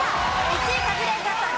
１位カズレーザーさん